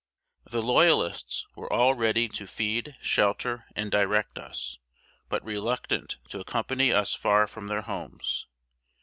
The Loyalists were all ready to feed, shelter, and direct us, but reluctant to accompany us far from their homes.